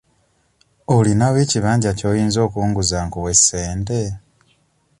Olinawo ekibanja ky'oyinza okunguza nkuwe ssente?